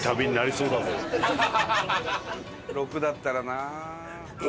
６だったらなあ。